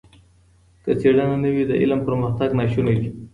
که څېړنه نه وي د علم پرمختګ ناشونی دی.